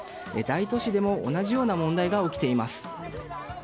大都市でも同じような問題が起きています。